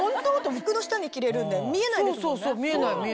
服の下に着れるんで見えないですもんね。